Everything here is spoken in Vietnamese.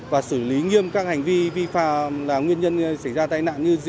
và xử lý nghiêm các hành vi vi phạm là nguyên nhân xảy ra tai nạn như rượu